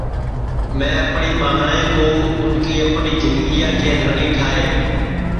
تو سارے سے آگے میں اپٹؔی ٻہاٹؔیں کُو اُن کی اپٹؔی جِندگیا کے ملک ٹھائے